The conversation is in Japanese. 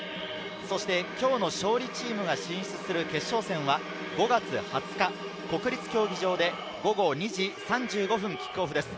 今日の勝利チームが進出する決勝戦は５月２０日、国立競技場で午後２時３５分キックオフです。